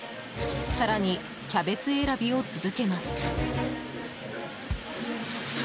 更にキャベツ選びを続けます。